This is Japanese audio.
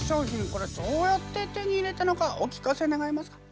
これどうやって手に入れたのかお聞かせ願えますか。